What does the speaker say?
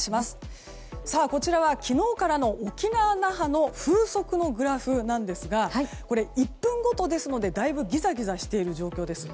こちらは昨日からの沖縄・那覇の風速のグラフですが１分ごとですのでだいぶギザギザしている状況です。